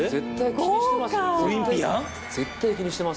気にしてます？